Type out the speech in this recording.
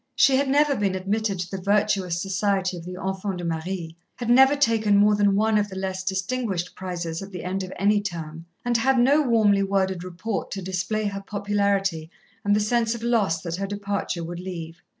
She had never been admitted to the virtuous society of the enfants de Marie, had never taken more than one of the less distinguished prizes at the end of any term, and had no warmly worded report to display her popularity and the sense of loss that her departure would leave.